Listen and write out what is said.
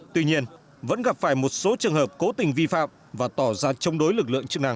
tuy nhiên vẫn gặp phải một số trường hợp cố tình vi phạm và tỏ ra chống đối lực lượng chức năng